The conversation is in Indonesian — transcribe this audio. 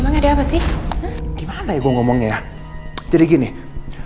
gimana ya gue ngomongnya ya jadi gini hari ini al bakal ngomong sama andin mengenai hasil tersebut